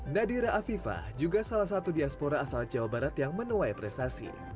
nadira afifah juga salah satu diaspora asal jawa barat yang menuai prestasi